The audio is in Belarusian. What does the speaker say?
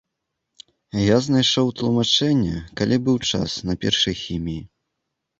Я знайшоў тлумачэнне, калі быў час, на першай хіміі.